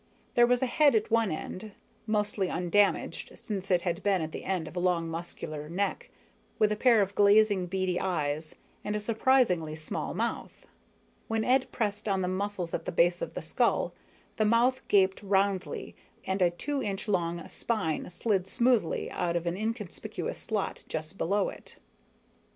There was a head at one end, mostly undamaged since it had been at the end of a long muscular neck, with a pair of glazing beady eyes and a surprisingly small mouth. When Ed pressed on the muscles at the base of the skull, the mouth gaped roundly and a two inch long spine slid smoothly out of an inconspicuous slot just below it.